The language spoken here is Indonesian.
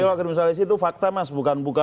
tapi kalau kriminalisasi itu fakta mas bukan bukan